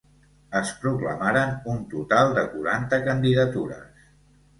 Es proclamaren un total de quaranta candidatures.